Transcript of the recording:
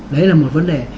đấy là một vấn đề